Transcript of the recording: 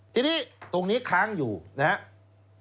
ทีนี้ตรงนี้ค้างอยู่นะครับ